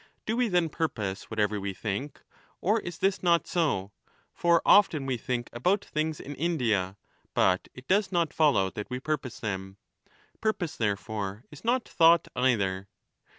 20 Do we then purpose whatever we think ? Or is this not so ? For often we think about things in India, but it does not follow that we purpose them. Purpose therefore is not thought either.